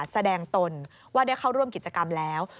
แสดงตนว่าได้เข้าร่วมกิจกรรมแล้ว